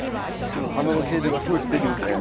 すごい花の形状がすごいすてきですね。